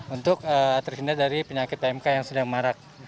untuk terhindar dari penyakit pmk yang sedang marak